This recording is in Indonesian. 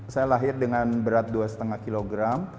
saya lahir dengan berat dua lima kg